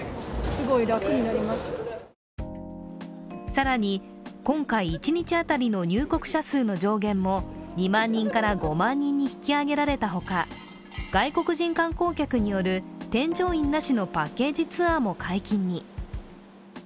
更に今回、一日当たりの入国者数の上限も２万人から５万人に引き上げられた他外国人観光客による添乗員なしのパッケージツアーも解禁に。